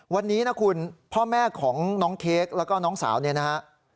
วันนี้นะคุณพ่อแม่ของน้องเค้กแล้วก็น้องสาวเนี่ยนะฮะ